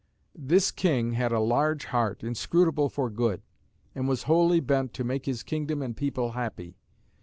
This king had a large heart, inscrutable for good; and was wholly bent to make his kingdom and people happy.